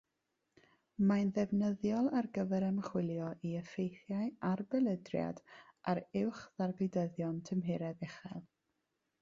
Mae'n ddefnyddiol ar gyfer ymchwilio i effeithiau arbelydriad ar uwchddargludyddion tymheredd uchel.